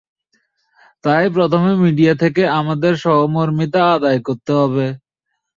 তাই প্রথমে মিডিয়া থেকে, আমাদের সহমর্মিতা আদায় করতে হবে।